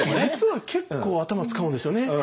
実は結構頭使うんですよね。